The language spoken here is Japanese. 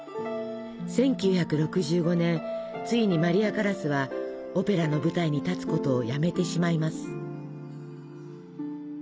１９６５年ついにマリア・カラスはオペラの舞台に立つことをやめてしまいます。